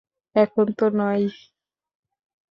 এখন তো নয়ই।